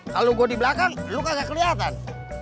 kalau gue di belakang lo kagak keliatan